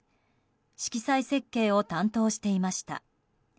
色彩設計を担当していました。